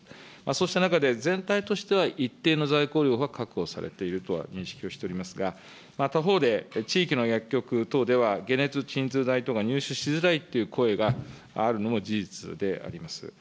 そうした中で全体としては一定の在庫量は確保されているとは認識をしておりますが、他方で、地域の薬局等では解熱鎮痛剤等が入手しづらいという声があるのも事実であります。